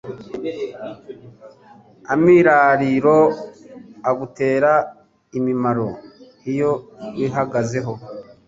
Amirariro agutera amimaro iyo wihagazeho.